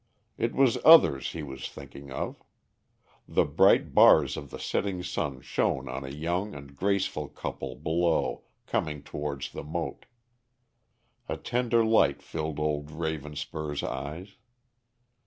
It was others he was thinking of. The bright bars of the setting sun shone on a young and graceful couple below coming towards the moat. A tender light filled old Ravenspur's eyes.